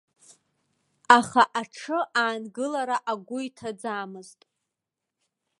Аха аҽы аангылара агәы иҭаӡамызт.